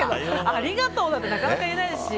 ありがとうなんてなかなか言えないし。